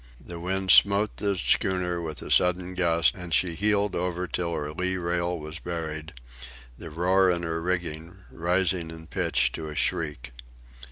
The wind smote the schooner with a sudden gust, and she heeled over till her lee rail was buried, the roar in her rigging rising in pitch to a shriek.